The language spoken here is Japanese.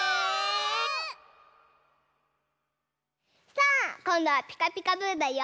さあこんどは「ピカピカブ！」だよ！